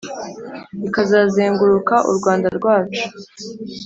ikazazenguruka u rwanda rwacu